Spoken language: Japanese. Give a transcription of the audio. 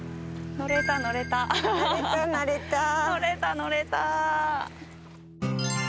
乗れた乗れた。